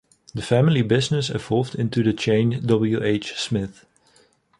The family business evolved into the chain W H Smith.